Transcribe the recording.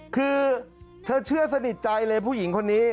คือเธอเชื่อสนิทใจเลยผู้หญิงคนนี้